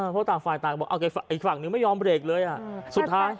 เพราะต่างฝ่ายต่างบอกอีกฝั่งนึงไม่ยอมเบรกเลยสุดท้าย